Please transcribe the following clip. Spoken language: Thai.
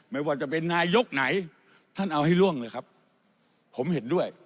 ไม่ว่าจะเป็นนายกไหนท่านเอาให้ล่วงเลยครับผมเห็นด้วย